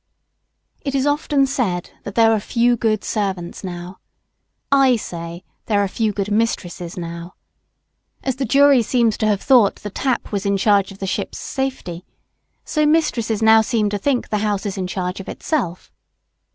It is often said that there are few good servants now; I say there are few good mistresses now. As the jury seems to have thought the tap was in charge of the ship's safety, so mistresses now seem to think the house is in charge of itself.